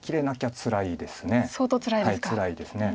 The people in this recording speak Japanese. つらいです。